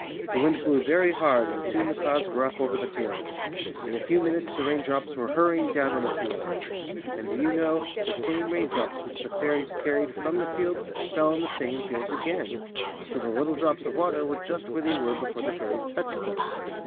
The wind blew very hard and soon the clouds were up over the fields. In a few minutes the raindrops were hurry ing down on the fields. And, do you know, the same raindrops which the fairies carried from the fields fell on the same fields again! So the little drops of water were just where they were before the fairies touched them.